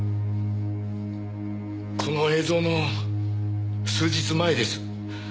この映像の数日前です。